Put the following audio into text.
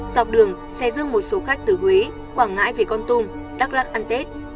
dọc đường xe dương một số khách từ huế quảng ngãi về con tum đắk lắc ăn tết